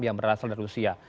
yang berasal dari rusia